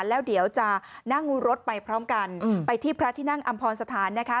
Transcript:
แล้วเดี๋ยวจะนั่งรถไปพร้อมกันไปที่พระที่นั่งอำพรสถานนะคะ